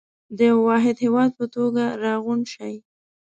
د يوه واحد هېواد په توګه راغونډ شئ.